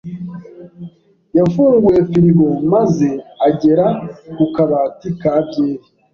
yafunguye firigo maze agera ku kabati ka byeri.